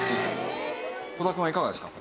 戸田くんはいかがですか？